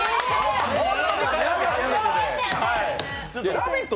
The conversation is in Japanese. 「ラヴィット！」